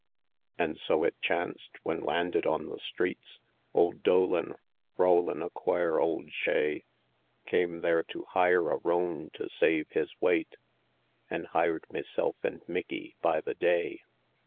An' so it chanced, when landed on the streets, Ould Dolan, rowlin' a quare ould shay, Came there to hire a roan to save his whate, An' hired meself and Mickie by the day.